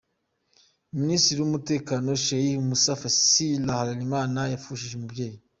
Minisitiri w'umutekano Sheikh Musa Fazil Harerimana yapfushije umubyeyi.